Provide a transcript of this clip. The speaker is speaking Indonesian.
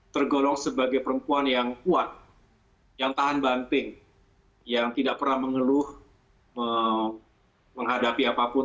tergolong sebagai perempuan yang kuat yang tahan banting yang tidak pernah mengeluh menghadapi apapun